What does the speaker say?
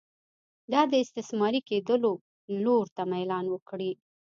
دا د استثماري کېدو لور ته میلان وکړي.